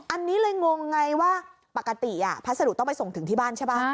อันนี้เลยงงไงว่าปกติพัสดุต้องไปส่งถึงที่บ้านใช่ป่ะ